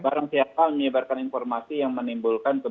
barangsiapa menyebarkan informasi yang menimbulkan